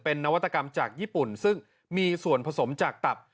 นวัตกรรมจากญี่ปุ่นซึ่งมีส่วนผสมจากตับ